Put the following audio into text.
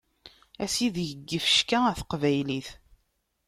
Asideg n yifecka ɣer teqbaylit.